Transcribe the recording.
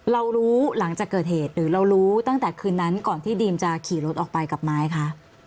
เรารู้หลังจากเกิดเหตุหรือเรารู้ตั้งแต่คืนนั้นก่อนที่ดีมจะขี่รถออกไปกับไม้คะ